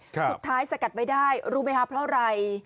สุดท้ายสกัดไปได้รุเบฮะเพราะไร